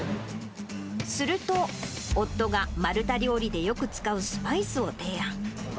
すると夫が、マルタ料理でよく使うスパイスを提案。